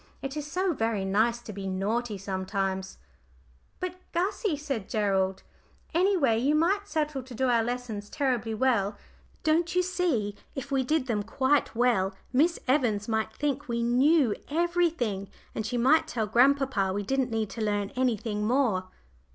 "It is so very nice to be naughty sometimes." "But, Gussie," said Gerald, "any way, you might settle to do our lessons terribly well. Don't you see, if we did them quite well Miss Evans might think we knew everything, and she might tell grandpapa we didn't need to learn anything more."